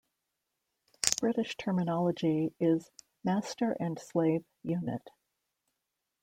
British terminology is master-and-slave unit.